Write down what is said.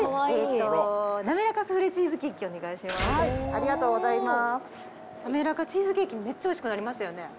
ありがとうございます。